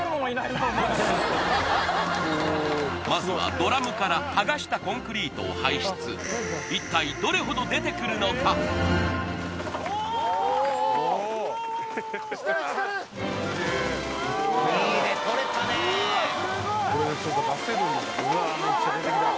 まずはドラムから剥がしたコンクリートを排出一体どれほど出てくるのかおおっきてるきてる